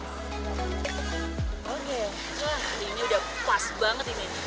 oke ini udah puas banget ini